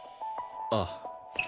ああ。